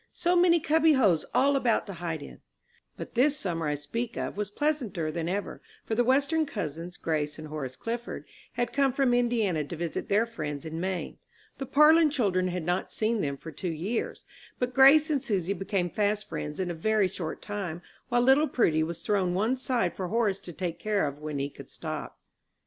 So many "cubby holes" all about to hide in! But this summer I speak of was pleasanter than ever; for the Western cousins, Grace and Horace Clifford, had come from Indiana to visit their friends in Maine. The Parlin children had not seen them for two years; but Grace and Susy became fast friends in a very short time, while little Prudy was thrown one side for Horace to take care of when he could stop.